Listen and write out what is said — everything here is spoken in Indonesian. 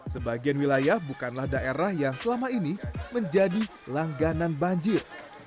sebagian wilayah bukanlah daerah yang selama ini menjadi langganan banjir